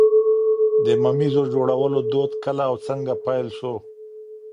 د ممیزو جوړولو دود کله او څنګه پیل سو؟